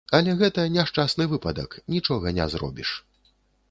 Але гэта няшчасны выпадак, нічога не зробіш.